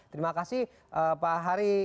terima kasih pak hari